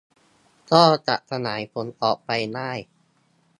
ก็จะขยายผลออกไปได้